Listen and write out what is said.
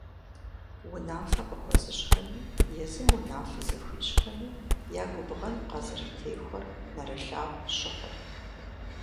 Унафэ къыхуэзыщӏхэми, езым унафэ зыхуищӏхэми я губгъэн къызэрытехуэр нэрылъагъу щыхъурт.